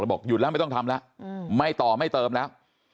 บอกหยุดแล้วไม่ต้องทำแล้วไม่ต่อไม่เติมแล้ว